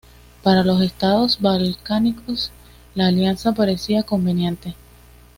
Para los Estados balcánicos, la alianza parecía conveniente.